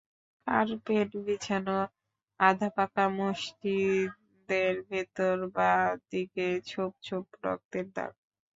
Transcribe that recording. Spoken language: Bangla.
কার্পেট বিছানো আধা-পাকা মসজিদের ভেতরে বাঁ দিকে ছোপ ছোপ রক্তের দাগ।